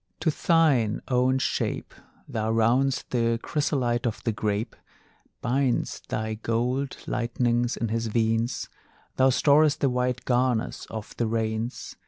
To thine own shape Thou round'st the chrysolite of the grape, Bind'st thy gold lightnings in his veins; Thou storest the white garners of the rains.